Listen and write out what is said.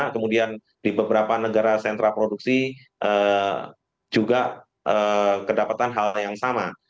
kemudian di beberapa negara sentra produksi juga kedapatan hal yang sama